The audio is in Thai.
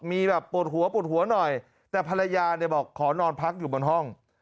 มีแบบปวดหัวปวดหัวหน่อยแต่ภรรยาเนี่ยบอกขอนอนพักอยู่บนห้อง